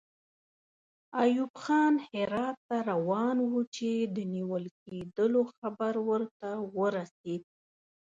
ایوب خان هرات ته روان وو چې د نیول کېدلو خبر ورته ورسېد.